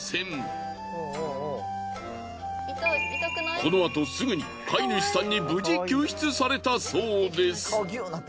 このあとすぐに飼い主さんに無事救出されたそうです。